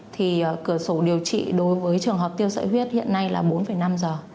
thì cửa sổ điều trị đối với trường hợp tiêu sợi huyết hiện nay là bốn năm giờ